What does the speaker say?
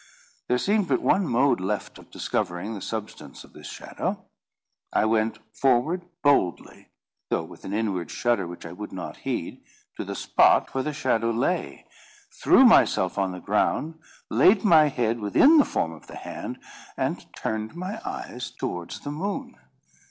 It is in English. There seemed but one mode left of discovering the substance of this shadow. I went forward boldly, though with an inward shudder which I would not heed, to the spot where the shadow lay, threw myself on the ground, laid my head within the form of the hand, and turned my eyes towards the moon.